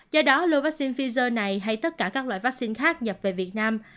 do đó lô vaccine pfizer này hay tất cả các loại vaccine khác nhập về việt nam